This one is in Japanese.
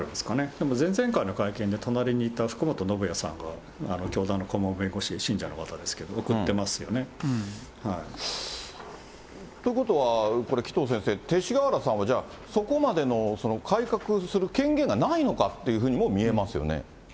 でも前々回の会見で隣にいたふくもとのぶやさんが、教団の顧問弁護士、信者の方ですけど送ってますよね。ということはこれ、紀藤先生、勅使河原さんは、そこまでの改革する権限がないのかというふうにも見えますよね。